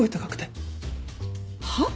はっ？